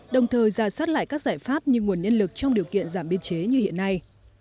đồng thời ra soát lại các giải pháp như nguồn nhân lực trong điều kiện giảm biên chế như hiện nay